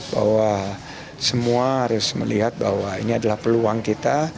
bahwa semua harus melihat bahwa ini adalah peluang kita